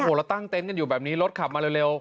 โอ้โหเราตั้งเต็นต์กันอยู่แบบนี้รถขับมาเร็ว